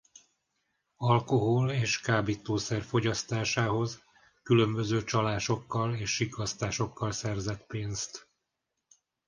Alkohol- és kábítószer fogyasztásához különböző csalásokkal és sikkasztásokkal szerzett pénzt.